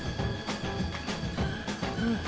うん。